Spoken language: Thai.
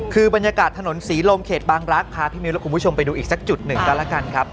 คือบรรยากาศถนนศรีลมเขตบางรักษ์พาพี่มิวและคุณผู้ชมไปดูอีกสักจุดหนึ่งก็แล้วกันครับ